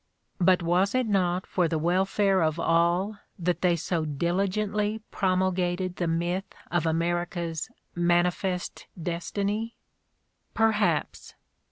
But was it not for the welfare of all that they so dili gently promulgated the myth of America's "manifest destiny"? Perhaps.